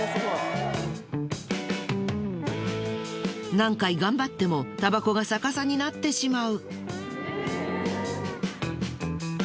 何回頑張ってもタバコが逆さになってしまう。